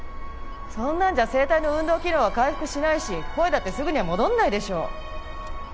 そんなんじゃ声帯の運動機能は回復しないし声だってすぐには戻んないでしょ。